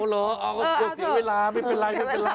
โอ้เหรอเอาเวลาเสียเวลาไม่เป็นไร